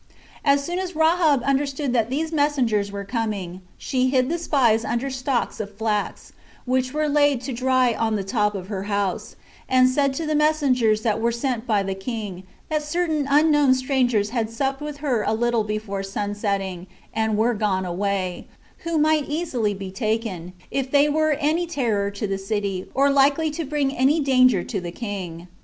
As soon as Rahab understood that these messengers were coming, she hid the spies under stalks of flax, which were laid to dry on the top of her house; and said to the messengers that were sent by the king, that certain unknown strangers had supped with her a little before sun setting, and were gone away, who might easily be taken, if they were any terror to the city, or likely to bring any danger to the king.